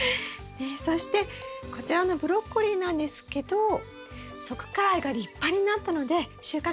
そしてこちらのブロッコリーなんですけど側花蕾が立派になったので収穫しました。